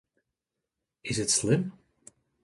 Is it slim?